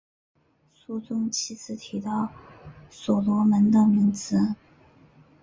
书中七次提到所罗门的名字。